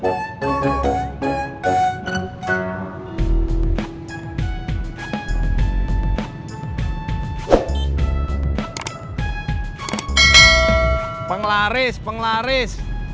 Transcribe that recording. penglaris penglaris penglaris